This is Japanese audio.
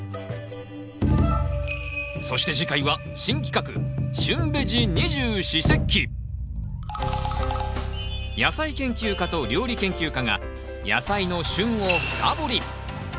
そして次回は新企画野菜研究家と料理研究家が野菜の「旬」を深掘り。